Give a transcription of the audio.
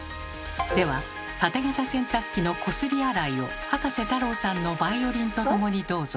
ではタテ型洗濯機の「こすり洗い」を葉加瀬太郎さんのバイオリンとともにどうぞ。